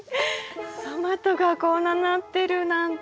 トマトがこんななってるなんて。